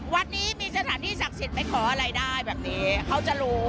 วัดนี้มีสถานที่ศักดิ์สิทธิ์ไปขออะไรได้แบบนี้เขาจะรู้